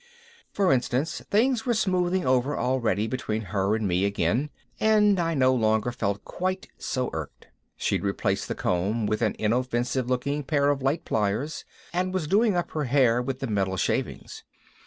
For instance things were smoothing over already between her and me again and I no longer felt quite so irked. She'd replaced the comb with an inoffensive looking pair of light pliers and was doing up her hair with the metal shavings.